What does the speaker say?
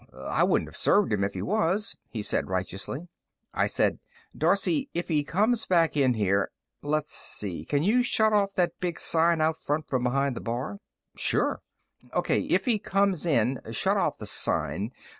I wouldn't have served him if he was," he said righteously. I said, "Darcey, if he comes back in here ... let's see Can you shut off that big sign out front from behind the bar?" "Sure." "O.K. If he comes in, shut off the sign.